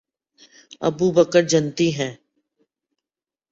ابوبکر جنتی ہیں